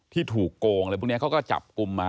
ที่ถูกโกงพวกนี้เขาก็จับกุมมา